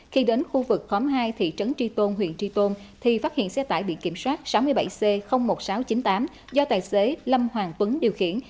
khi đến khu vực khóm hai thị trấn tri tôn huyện tri tôn thì phát hiện xe tải biển kiểm soát sáu mươi bảy c một nghìn sáu trăm chín mươi tám do tài xế lâm hoàng tuấn điều khiển